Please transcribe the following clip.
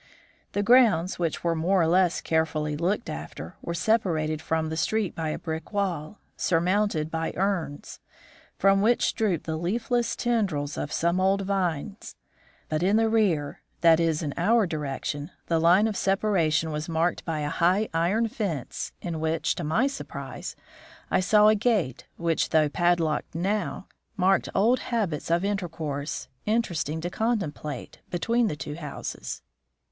The grounds which, were more or less carefully looked after, were separated from the street by a brick wall, surmounted by urns, from which drooped the leafless tendrils of some old vines; but in the rear, that is, in our direction, the line of separation was marked by a high iron fence, in which, to my surprise, I saw a gate, which, though padlocked now, marked old habits of intercourse, interesting to contemplate, between the two houses.